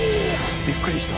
びっくりした。